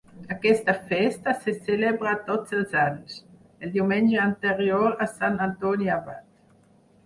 Aquesta festa se celebra tots els anys, el diumenge anterior a Sant Antoni Abat.